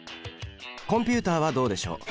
コンピュータはどうでしょう。